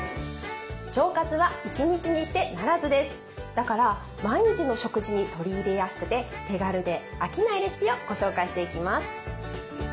だから毎日の食事に取り入れやすくて手軽で飽きないレシピをご紹介していきます。